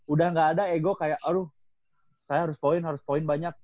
udah gak ada ego kayak aduh saya harus poin harus poin banyak